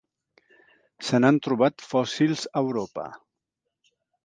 Se n'han trobat fòssils a Europa.